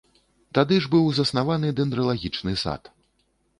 Тады ж быў заснаваны дэндралагічны сад.